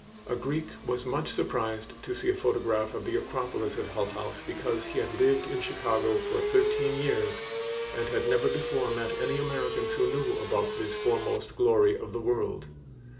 A Greek was much surprised to see a photograph of the Acropolis at Hull House because he had lived in Chicago for thirteen years and had never before met any Americans who knew about this foremost glory of the world.